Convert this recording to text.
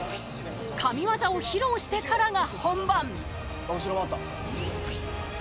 神業を披露してからが本番。